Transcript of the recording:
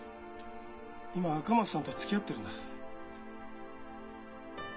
今赤松さんとつきあってるんだ。